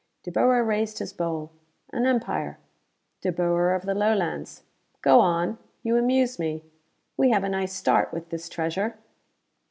De Boer raised his bowl. "An empire De Boer of the Lowlands! Go on; you amuse me. We have a nice start, with this treasure."